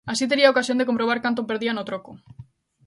Así tería ocasión de comprobar canto perdía no troco.